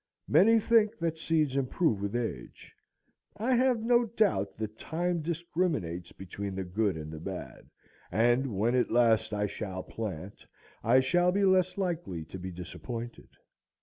Many think that seeds improve with age. I have no doubt that time discriminates between the good and the bad; and when at last I shall plant, I shall be less likely to be disappointed.